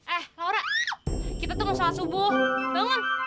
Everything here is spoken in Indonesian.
eh laura kita tuh mau sholat subuh bangun